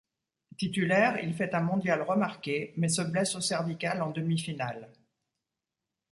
Titulaire, il fait un mondial remarqué mais se blesse aux cervicales en demi-finale.